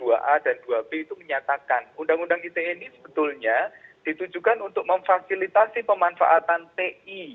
dua a dan dua b itu menyatakan undang undang ite ini sebetulnya ditujukan untuk memfasilitasi pemanfaatan ti